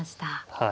はい。